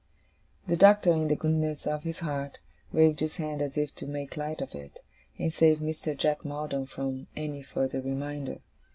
The Doctor, in the goodness of his heart, waved his hand as if to make light of it, and save Mr. Jack Maldon from any further reminder.